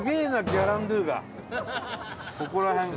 ここら辺が。